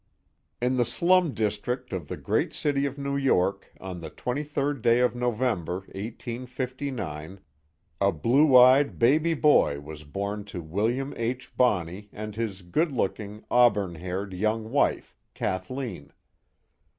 In the slum district of the great city of New York, on the 23rd day of November, 1859, a blue eyed baby boy was born to William H. Bonney and his good looking, auburn haired young wife, Kathleen.